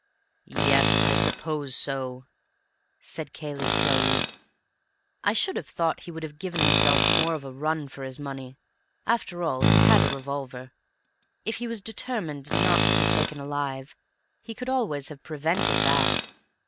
"Yes; I suppose so," said Cayley slowly. "I should have thought he would have given himself more of a run for his money. After all, he had a revolver. If he was determined not to be taken alive, he could always have prevented that.